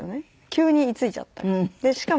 急に居ついちゃった。